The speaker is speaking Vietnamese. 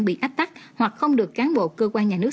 bị ách tắc hoặc không được cán bộ cơ quan nhà nước